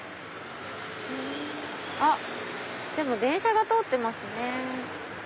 あっ電車が通ってますね。